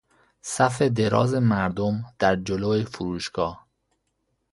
صف دراز مردم در جلو فروشگاه